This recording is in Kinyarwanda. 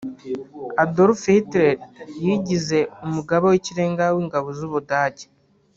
Adolf Hitler yigize umugaba w’ikirenga w’ingabo z’ubudage